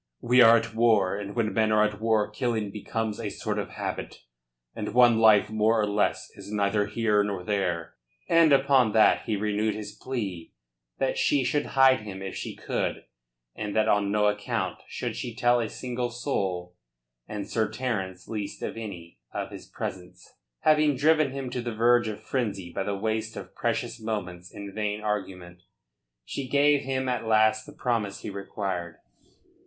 "We are at war, and when men are at war killing becomes a sort of habit, and one life more or less is neither here nor there." And upon that he renewed his plea that she should hide him if she could and that on no account should she tell a single soul and Sir Terence least of any of his presence. Having driven him to the verge of frenzy by the waste of precious moments in vain argument, she gave him at last the promise he required.